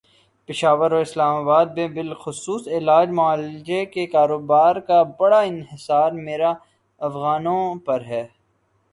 پشاور اور اسلام آباد میں بالخصوص علاج معالجے کے کاروبارکا بڑا انحصارامیر افغانوں پر ہے۔